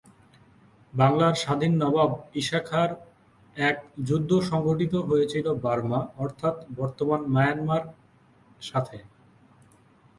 বাংলার স্বাধীন নবাব ঈসা খাঁর এক যুদ্ধ সংগঠিত হয়েছিল বার্মা, অর্থাৎ বর্তমান মায়ানমার সাথে।